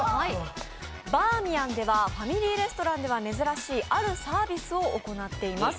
バーミヤンでは、ファミリーレストランで珍しいあるサービスを行っています。